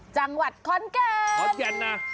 จังหวัดคอนเกิน